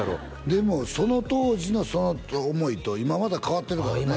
でもその当時のその思いと今また変わってるからねあっ